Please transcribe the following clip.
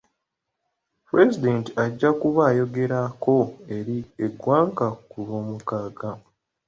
Pulezidenti ajja kuba ayogerako eri eggwanga ku lw'omukaaga.